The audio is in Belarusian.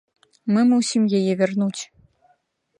Мы мусім яе вярнуць.